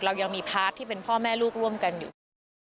เรายังมีพาร์ทที่เป็นพ่อแม่ลูกร่วมกันอยู่